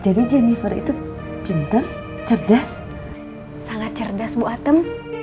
jadi jennifer itu pinter cerdas sangat cerdas bu atem